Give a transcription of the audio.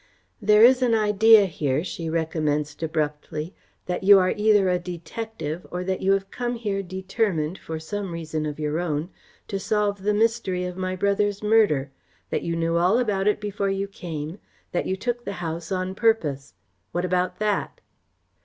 "There is an idea here," she recommenced abruptly, "that you are either a detective or that you have come here determined, for some reason of your own, to solve the mystery of my brother's murder, that you knew all about it before you came, that you took the house on purpose. What about that?"